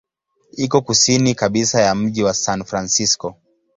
Iko kusini kabisa ya mji wa San Francisco.